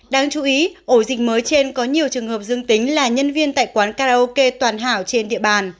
đáng chú ý ổ dịch mới trên có nhiều trường hợp dương tính là nhân viên tại quán karaoke toàn hảo trên địa bàn